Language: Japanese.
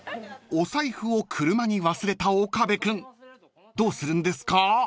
［お財布を車に忘れた岡部君どうするんですか？］